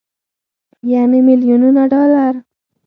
يعنې ميليونونه ډالر.